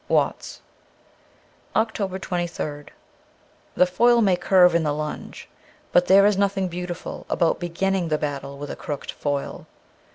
' Watts.' 328 OCTOBER 23rd THE foil may curve in the lunge ; but there is nothing beautiful about beginning the battle with a crooked foil.